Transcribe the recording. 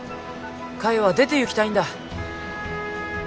カイは出ていきたいんだ。